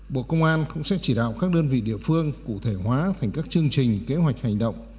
bộ công an cũng sẽ chỉ đạo các đơn vị địa phương cụ thể hóa thành các chương trình kế hoạch hành động